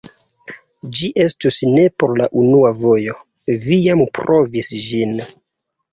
Ĝi estus ne por la unua fojo, vi jam provis ĝin!